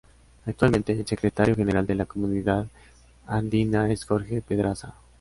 Actualmente el Secretario General de la Comunidad Andina es Jorge Pedraza.